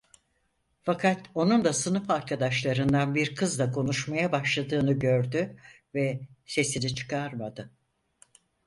Fakat onun da sınıf arkadaşlarından bir kızla konuşmaya başladığını gördü ve sesini çıkarmadı.